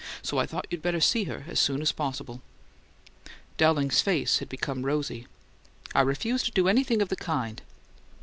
So I thought you'd better see her as soon as possible." Dowling's face had become rosy. "I refuse to do anything of the kind."